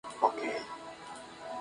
Su capital es San Rafael de Onoto.